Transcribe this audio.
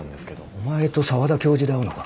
お前と澤田教授で会うのか？